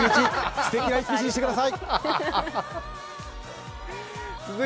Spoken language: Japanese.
すてきな一日にしてください。